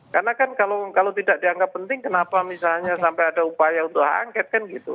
karena kan kalau tidak dianggap penting kenapa misalnya sampai ada upaya untuk hak angket kan gitu